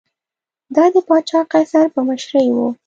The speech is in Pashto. دا د پاچا قیصر په مشرۍ و